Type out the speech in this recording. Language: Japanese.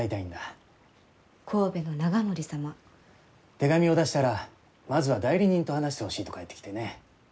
手紙を出したらまずは代理人と話してほしいと返ってきてね。